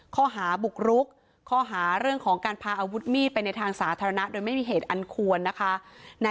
ข้อหาบุกรุกข้อหาเรื่องของการพาอาวุธมีดไปในทางสาธารณะโดยไม่มีเหตุอันควรนะคะ